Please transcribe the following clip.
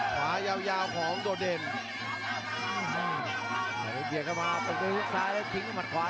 ขวายาวของโดเดนขยับเข้ามาประสิทธิ์หุ้กซ้ายแล้วทิ้งขึ้นมาขวาย